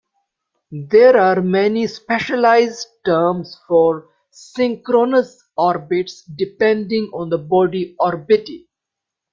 There are many specialized terms for synchronous orbits depending on the body orbited.